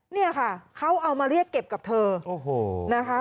เนี่ยค่ะเขาเอามาเรียกเก็บกับเธอโอ้โหนะคะ